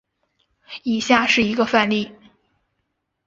以下是一个范例。